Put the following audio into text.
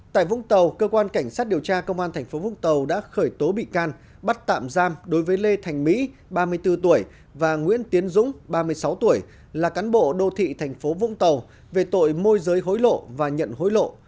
tại vũng tàu cơ quan cảnh sát điều tra công an tp vũng tàu đã khởi tố bị can bắt tạm giam đối với lê thành mỹ ba mươi bốn tuổi và nguyễn tiến dũng ba mươi sáu tuổi là cán bộ đô thị thành phố vũng tàu về tội môi giới hối lộ và nhận hối lộ